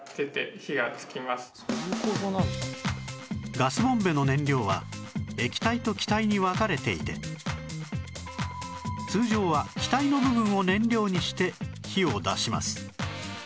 ガスボンベの燃料は液体と気体に分かれていて通常は気体の部分を燃料にして火を出します